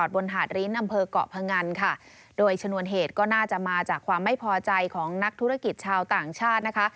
บนหาดริ้นอำเภอกเกาะพงันค่ะโดยชนวนเหตุก็น่าจะมาจากความไม่พอใจของนักธุรกิจชาวต่างชาตินะคะ